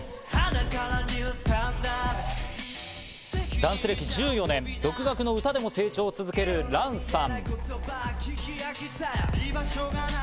ダンス歴１４年、独学の歌でも成長を続けるランさん。